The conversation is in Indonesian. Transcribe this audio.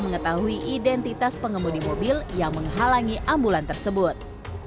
mengetahui identitas pengemudi mobil yang menghalangi ambulan tersebut